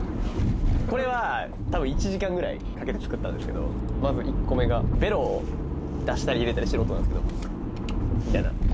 これはたぶん１時間くらいかけて作ったんですけどまず１個目がベロを出したり入れてる音なんですけどみたいな。